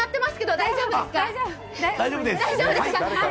大丈夫です。